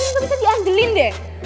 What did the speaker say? mungkin gak bisa dianggelin deh